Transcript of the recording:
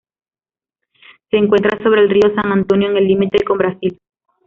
Se encuentra sobre el río San Antonio, en el límite con Brasil.